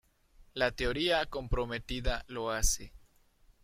La Teoría Comprometida lo hace.